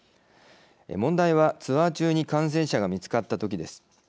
問題は、ツアー中に感染者が見つかったときです。